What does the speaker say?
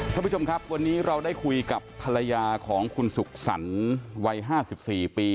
ท่านผู้ชมครับวันนี้เราได้คุยกับภรรยาของคุณสุขสรรค์วัย๕๔ปี